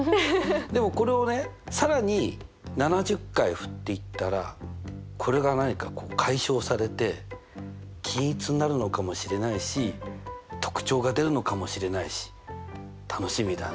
でもこれをね更に７０回振っていったらこれが何か解消されて均一になるのかもしれないし特徴が出るのかもしれないし楽しみだね。